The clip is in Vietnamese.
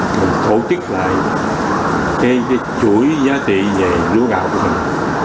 mình tổ chức lại cái chuỗi giá trị về lúa gạo của mình